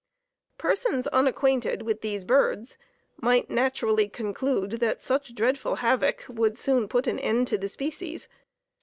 Persons unacquainted with these birds might naturally conclude that such dreadful havoc would soon put an end to the species.